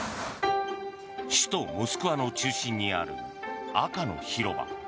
首都モスクワの中心にある赤の広場。